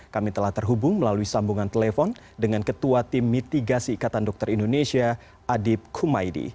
kami telah terhubung melalui sambungan telepon dengan ketua tim mitigasi ikatan dokter indonesia adib kumaydi